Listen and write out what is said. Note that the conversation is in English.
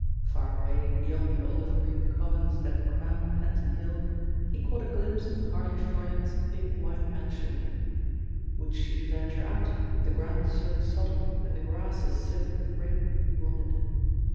Far away, beyond the olive green covens that crowned Penton Hill, he caught a glimpse of Harvey Froyant's big white mansion. Would she venture out with the ground so sodden and the grasses soaked with rain, he wondered?